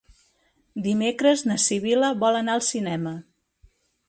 Dimecres na Sibil·la vol anar al cinema.